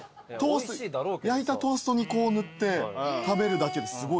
焼いたトーストにこう塗って食べるだけですごいおいしい。